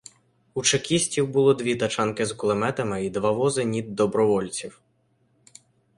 У чекістів було дві тачанки з кулеметами і два вози нід добровольців.